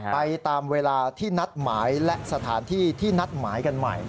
ไปตามเวลาที่นัดหมายและสถานที่ที่นัดหมายกันใหม่